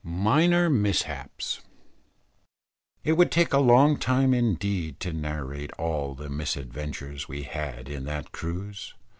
MINOR MISHAPS. It would take a long time indeed to narrate all the misadventures we had in that cruise.